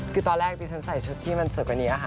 คือตอนแรกที่ฉันใส่ชุดที่มันสวยกว่านี้ค่ะ